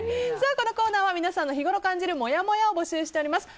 このコーナーは皆さんの日頃感じるもやもやを募集しております。